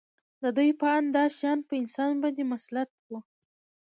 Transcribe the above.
د دوی په اند دا شیان په انسان باندې مسلط وو